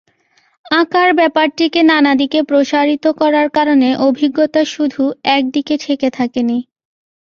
আঁকার ব্যাপারটিকে নানা দিকে প্রসারিত করার কারণে অভিজ্ঞতা শুধু একদিকে ঠেকে থাকেনি।